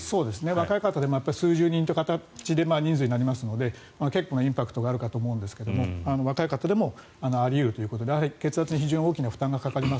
若い方でも数十人という形で人数になりますので結構なインパクトがあるかと思いますが若い方でもあり得るということで血圧に非常に大きな負担がかかります。